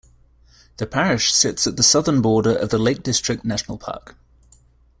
The Parish sits at the southern border of the Lake District National Park.